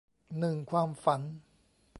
หนึ่งความฝัน